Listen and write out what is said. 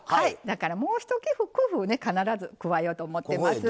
だからもう一工夫ね必ず加えようと思ってます。